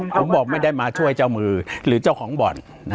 ผมบอกไม่ได้มาช่วยเจ้ามือหรือเจ้าของบ่อน